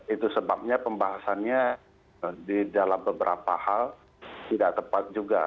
itu sebabnya pembahasannya di dalam beberapa hal tidak tepat juga